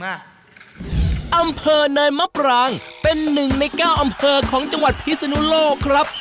อำเภอเนินมะปรางเป็นหนึ่งใน๙อำเภอของจังหวัดพิศนุโลกครับ